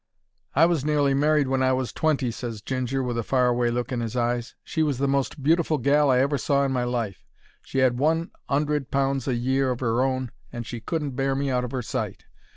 "I was nearly married when I was twenty," ses Ginger, with a far away look in his eyes. "She was the most beautiful gal I ever saw in my life; she 'ad one 'undred pounds a year of 'er own and she couldn't bear me out of her sight.